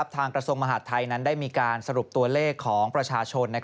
กระทรวงมหาดไทยนั้นได้มีการสรุปตัวเลขของประชาชน